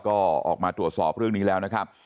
ก็ออกมาตรวจสอบเรื่องนี้แล้วนะครับ